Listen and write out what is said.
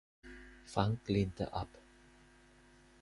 Frank lehnte ab.